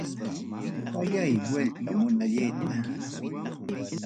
Ñoqallay vueltamunallayta.